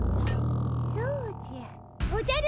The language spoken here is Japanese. そうじゃ。